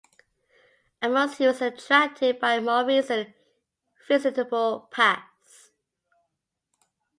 At most he was attracted by a more recent, "visitable" past.